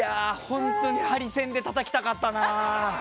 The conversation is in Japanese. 本当にハリセンでたたきたかったな。